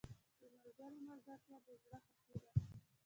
• د ملګري ملګرتیا د زړه خوښي ده.